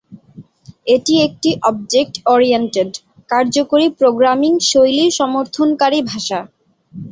এটি একটি object oriented, কার্যকরী প্রোগ্রামিং শৈলী সমর্থনকারী ভাষা।